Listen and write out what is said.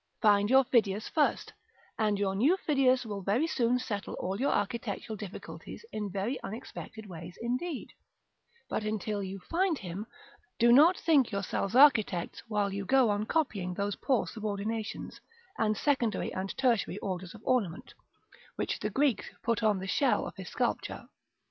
Find your Phidias first, and your new Phidias will very soon settle all your architectural difficulties in very unexpected ways indeed; but until you find him, do not think yourselves architects while you go on copying those poor subordinations, and secondary and tertiary orders of ornament, which the Greek put on the shell of his sculpture.